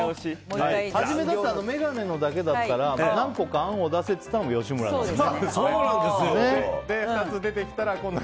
はじめ、眼鏡のだけだったら何個か案を出せって言ったのも吉村ですよ。